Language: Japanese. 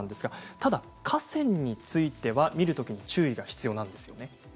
ただ、河川については見るときに注意が必要なんですね。